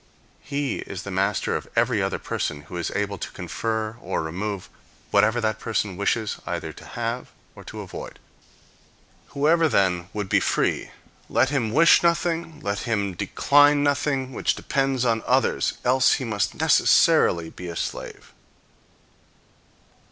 He is the master of every other person who is able to confer or remove whatever that person wishes either to have or to avoid. Whoever, then, would be free, let him wish nothing, let him decline nothing, which depends on others else he must necessarily be a slave.